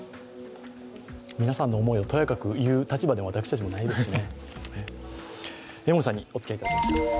皆さんの思いをとやかく言う立場でも、私たちもないですしね。